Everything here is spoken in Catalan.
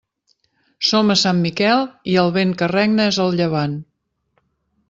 Som a Sant Miquel i el vent que regna és el llevant.